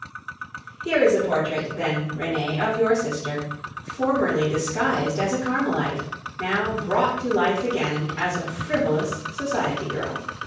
Here is a portrait, then, Renee, of your sister, formerly disguised as a Carmelite, now brought to life again as a frivolous society girl.